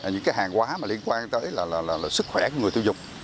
những hàng hóa liên quan tới sức khỏe của người tiêu dùng